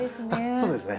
そうですね。